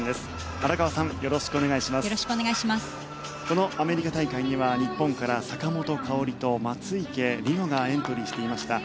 このアメリカ大会には日本から坂本花織と松生理乃がエントリーしていました。